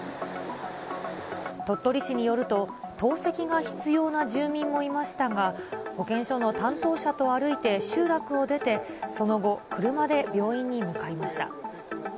鳥取市によると、透析が必要な住民もいましたが、保健所の担当者と歩いて集落を出て、その後、車で病院に向かいました。